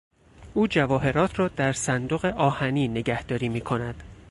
او جواهرات را در صندوق آهنی نگهداری میکند.